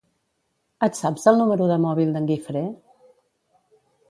Et saps el número de mòbil d'en Guifré?